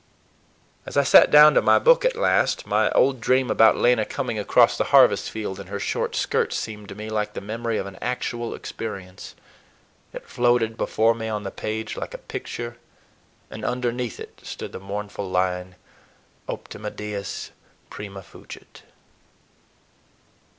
As I sat down to my book at last, my old dream about Lena coming across the harvest field in her short skirt seemed to me like the memory of an actual experience. It floated before me on the page like a picture, and underneath it stood the mournful line: Optima dies … prima fugit.